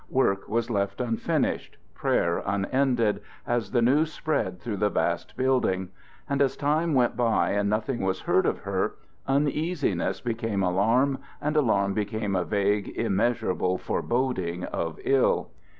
Work was left unfinished, prayer unended, as the news spread through the vast building; and as time went by and nothing was heard of her, uneasiness became alarm, and alarm became a vague, immeasurable foreboding of ill.